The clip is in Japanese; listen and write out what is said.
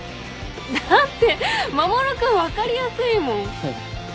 だって守君分かりやすいもん。